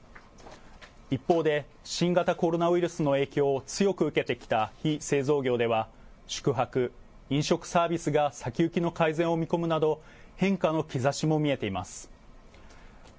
一方で新型コロナウイルスの影響を強く受けてきた非製造業では宿泊・飲食サービスが先行きの改善を見込むなど変化の兆しも見えています。